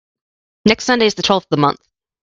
Next Sunday is the twelfth of the month.